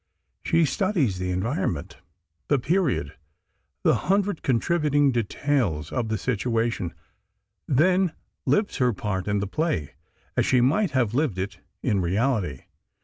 She studies the environment, the period, the hundred contributing details of the situation, then lives her part in the play as she might have lived it in reality.